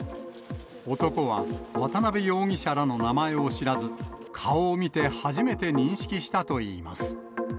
男は、渡辺容疑者らの名前を知らず、顔を見て初めて認識したといいます。